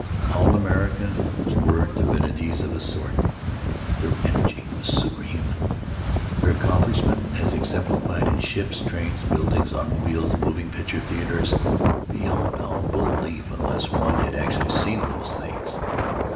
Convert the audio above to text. All Americans were divinities of a sort. Their energy was superhuman; their accomplishment, as exemplified in ships, trains, buildings, automobiles, moving picture theaters — beyond all belief unless one had actually seen those things.